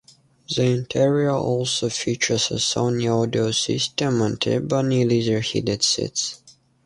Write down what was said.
The interior also features a Sony audio system and ebony leather heated seats.